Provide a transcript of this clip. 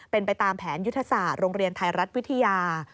เป็นไปตามแผนยุทธศาสตร์โรงเรียนไทยรัฐวิทยา